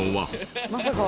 まさか。